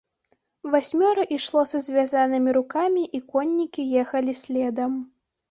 Васьмёра ішло са звязанымі рукамі, і коннікі ехалі следам.